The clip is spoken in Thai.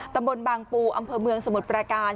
ตำบลบางปูอำเภอเมืองสมุทรประการ